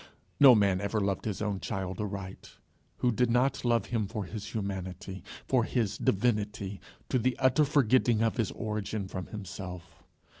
No man ever loved his own child aright who did not love him for his humanity, for his divinity, to the utter forgetting of his origin from himself.